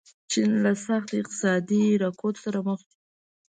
چین له سخت اقتصادي رکود سره مخ شو.